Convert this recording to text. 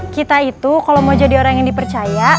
kita itu kalau mau jadi orang yang dipercaya